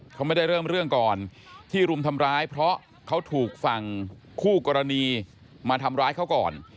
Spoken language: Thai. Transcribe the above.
เขาไม่ได้เริ่มเรื่องก่อนที่รุมทำร้ายเพราะเขาถูกฝั่งคู่กรณีมาทำร้ายเขาก่อน